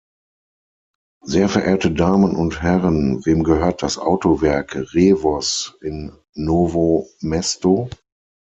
Sehr verehrte Damen und Herren, wem gehört das Autowerk Revoz in Novo Mesto?